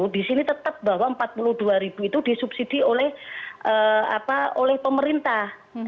disini tetap bahwa empat puluh dua ribu itu disubsidi oleh pemerintah